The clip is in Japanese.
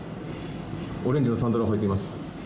オレンジのサンダルを履いています。